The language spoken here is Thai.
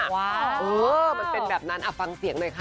เออมันเป็นแบบนั้นฟังเสียงหน่อยค่ะ